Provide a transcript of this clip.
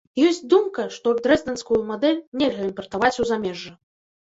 Ёсць думка, што дрэздэнскую мадэль нельга імпартаваць у замежжа.